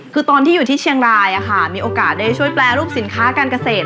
คือตอนที่อยู่ที่เชียงรายมีโอกาสได้ช่วยแปรรูปสินค้าการเกษตร